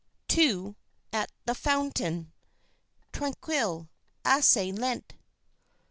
AT THE FOUNTAIN (Tranquille, assez lent) 3.